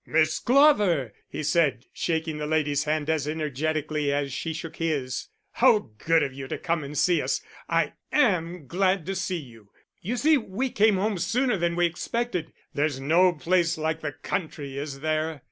"Miss Glover!" he said, shaking the lady's hand as energetically as she shook his. "How good of you to come and see us. I am glad to see you. You see we came home sooner than we expected there's no place like the country, is there?"